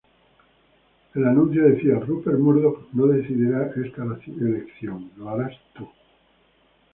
El anuncio decía: "Rupert Murdoch no decidirá esta elección, lo harás tu".